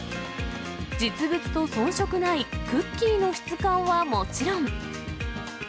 実物と遜色ないクッキーの質感はもちろん。